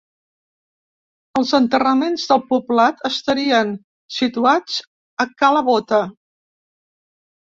Els enterraments del poblat estarien situats a Cala Bota.